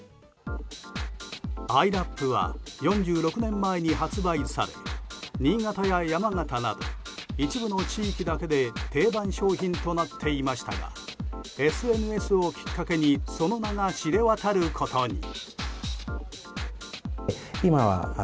アイラップは４６年前に発売され新潟や山形など一部の地域だけで定番商品となっていましたがＳＮＳをきっかけにその名が知れ渡ることに。